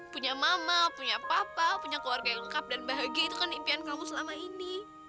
punya mama punya papa punya keluarga yang lengkap dan bahagia itu kan impian kamu selama ini